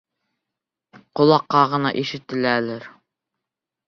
Ҡолаҡҡа ғына ишетеләлер.